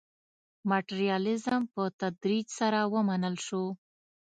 ماټریالیزم په تدریج سره ومنل شو.